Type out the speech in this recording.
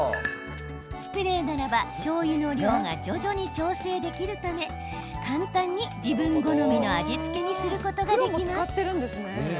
スプレーならば、しょうゆの量が徐々に調整できるため簡単に自分好みの味付けにすることができます。